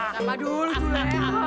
sama dulu jule